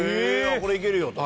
これいけるよと。